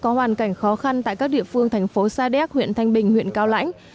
có hoàn cảnh khó khăn tại các địa phương thành phố sa đéc huyện thanh bình huyện cao lãnh